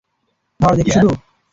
ধরে দেখবি শুধু?